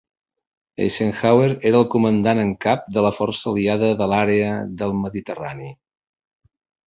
Eisenhower era el comandant en cap de la Força aliada de l'àrea del Mediterrani.